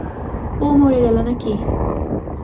ও মরে গেলো নাকি?